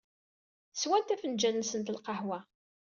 Swant afenǧal-nsent n lqahwa.